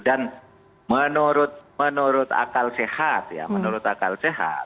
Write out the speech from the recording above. dan menurut akal sehat ya menurut akal sehat